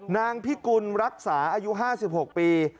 นางพิกุลรักษาอายุ๕๖ปี